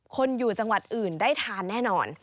คนอยู่จังหวัดอื่นได้ทานแน่นอน